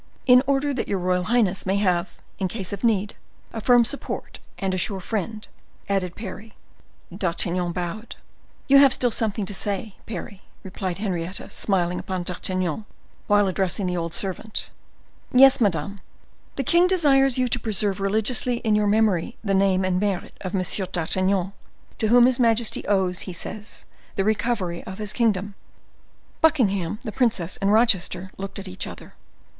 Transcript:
"In order that your royal highness may have, in case of need, a firm support and a sure friend," added Parry. D'Artagnan bowed. "You have still something to say, Parry," replied Henrietta, smiling upon D'Artagnan, while addressing the old servant. "Yes, madam, the king desires you to preserve religiously in your memory the name and merit of M. d'Artagnan, to whom his majesty owes, he says, the recovery of his kingdom." Buckingham, the princess, and Rochester looked at each other.